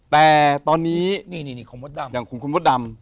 แต่ตอนนี้อย่างเจ้าคุณมดดำ